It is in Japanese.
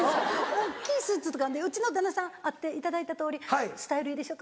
大っきいスーツうちの旦那さん会っていただいたとおりスタイルいいでしょ